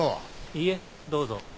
いいえどうぞ。